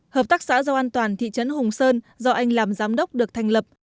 hợp tác xã rau an toàn thị trấn hùng sơn do anh làm giám đốc được thành lập